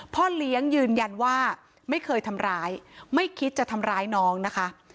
พ่อเลี้ยงยืนยันว่าไม่เคยทำร้ายไม่คิดจะทำร้ายน้องนะคะ